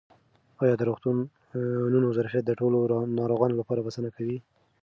آیا د روغتونونو ظرفیت د ټولو ناروغانو لپاره بسنه کوي؟